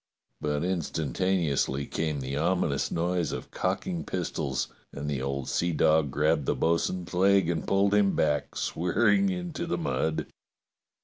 But instantaneously came the ominous noise of cocking pistols, and the old sea dog grabbed the bo'sun's leg and pulled him back swear ing into the mud.